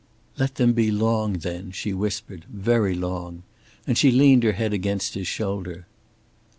"Let them be long, then," she whispered, "very long," and she leaned her head against his shoulder.